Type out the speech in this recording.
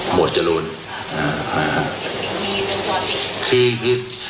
หมวดจรูน